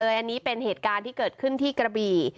อันนี้เป็นเหตุการณ์ที่เกิดขึ้นที่กระบี่